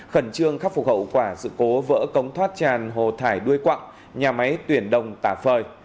khẩn trương khắc phục hậu quả sự cố vỡ cống thoát tràn hồ thải đuôi quặng nhà máy tuyển đồng tà phời